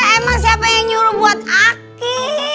emang siapa yang nyuruh buat aki